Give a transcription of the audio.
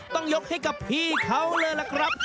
ต้องยกให้กับพี่เขาเลยล่ะครับ